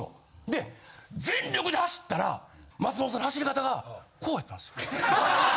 で全力で走ったら松本さんの走り方がこうやったんですよ。